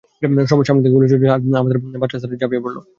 সামনে থেকে গুলি ছুটে আসছে আর আমাদের বাতরা স্যার ঝাপিয়ে পড়ল!